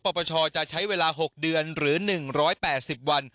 ปปชจะใช้เวลา๖เดือนหรือ๑๘๐วัน